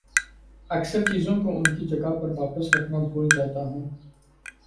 اکثر چیزوں کو ان کی جگہ پر واپس رکھنا بھول جاتا ہوں